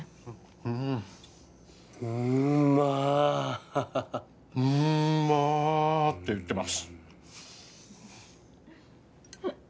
うんうまうまって言ってます